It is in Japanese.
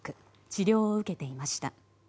治療を受けていました。